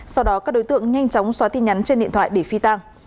sau đó các đối tượng nhanh chóng xóa tin nhắn trên điện thoại để phi tang